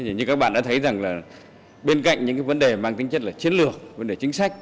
như các bạn đã thấy rằng là bên cạnh những vấn đề mang tính chất là chiến lược vấn đề chính sách